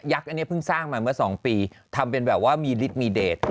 มันสร้างมาเมื่อสองปีทำเป็นแบบว่ามีฤทธิ์มีเดช